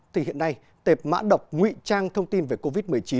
thì hiện nay tệp mã độc nguy trang thông tin về covid một mươi chín